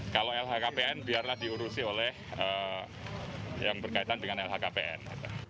kalau lhkpn biarlah diurusi oleh yang berkaitan dengan lhkpn